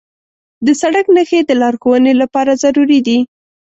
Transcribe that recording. د سړک نښې د لارښوونې لپاره ضروري دي.